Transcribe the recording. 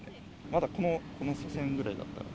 まだこの線ぐらいだったら。